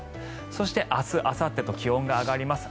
そして、明日あさってと気温が上がります。